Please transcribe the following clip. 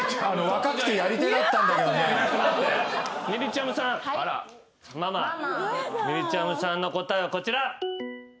みりちゃむさんの答えはこちら。